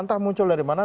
entah muncul dari mana